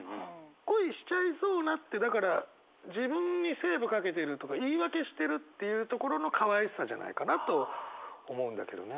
「Ｋｏｉしちゃいそうな」ってだから自分にセーブかけてるとか言い訳してるっていうところのかわいさじゃないかなと思うんだけどね。